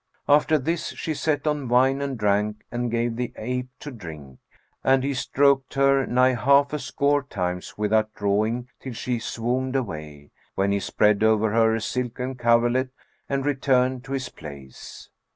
After this she set on wine and drank and gave the ape to drink; and he stroked her nigh half a score times without drawing till she swooned away, when he spread over her a silken coverlet and returned to his place.